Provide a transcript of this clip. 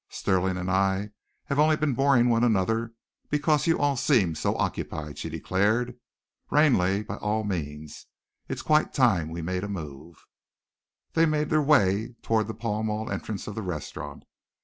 "Stirling and I have only been boring one another because you all seemed so occupied," she declared. "Ranelagh, by all means. It is quite time we made a move." They made their way toward the Pall Mall entrance of the restaurant.